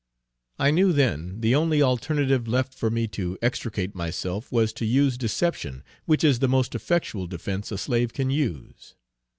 I knew then the only alternative left for me to extricate myself was to use deception, which is the most effectual defence a slave can use.